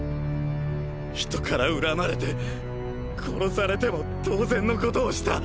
人から恨まれて殺されても当然のことをした。